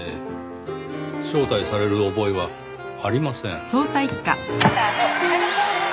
招待される覚えはありません。